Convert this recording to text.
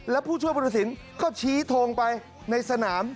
แล้วผู้ช่วยพุทธศิลป์ก็ชี้ทงไปในสนาม